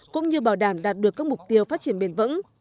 cũng như bảo đảm đạt được các mục tiêu phát triển bền vững